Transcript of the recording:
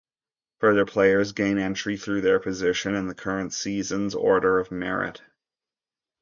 Further players gain entry through their position in the current seasons Order of Merit.